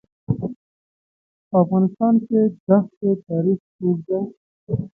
په افغانستان کې د ښتې تاریخ اوږد دی.